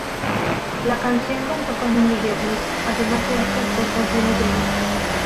La canción contó con un videoclip, además de otras tres canciones del disco.